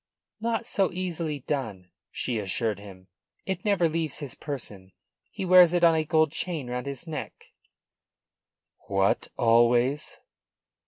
"Not so easily done," she assured him. "It never leaves his person. He wears it on a gold chain round his neck." "What, always?"